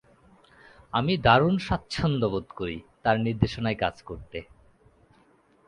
আমি দারুণ স্বাচ্ছন্দ্যবোধ করি তার নির্দেশনায় কাজ করতে।